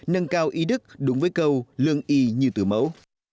nâng cao ý đức đúng với câu lương y như tứ mẫu